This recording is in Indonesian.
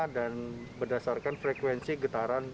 dan berdasarkan frekuensi getaran